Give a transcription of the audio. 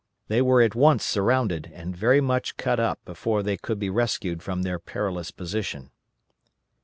They were at once surrounded and very much cut up before they could be rescued from their perilous position.